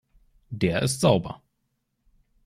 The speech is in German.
Der ist sauber.